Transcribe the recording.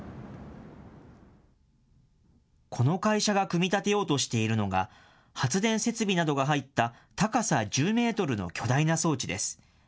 この会社が組み立てようとしているのが、発電設備などが入った高さ１０メートルの巨大な装置です。